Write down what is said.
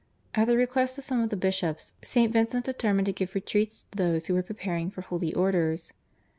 At the request of some of the bishops St. Vincent determined to give retreats to those who were preparing for Holy Orders.